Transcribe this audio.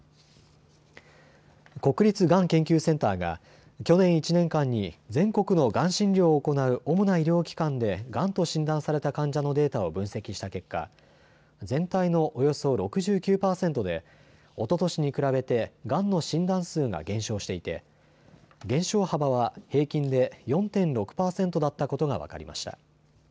国立がん研究センターが去年１年間に全国のがん診療を行う主な医療機関でがんと診断された患者のデータを分析した結果、全体のおよそ６９％で、おととしに比べてがんの診断数が減少していて減少幅は平均で４．６％だったことが分かりました。